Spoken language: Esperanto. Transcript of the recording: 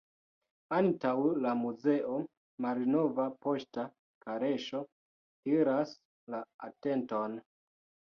Antaŭ la muzeo malnova poŝta kaleŝo tiras la atenton.